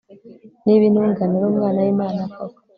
niba intungane ari umwana w'imana koko